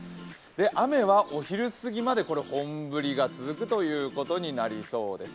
雨はお昼すぎまで本降りが続くことになりそうです。